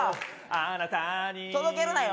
あなたに届けるなよ？